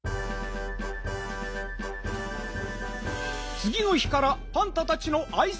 つぎの日からパンタたちのあいさつ